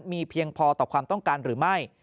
มีเพียงพอต่อความต้องการหรือไม่